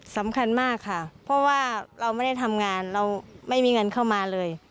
สำคัญมากค่ะเพราะว่าเราไม่ได้ทำงานเราไม่มีเงินเข้ามาเลย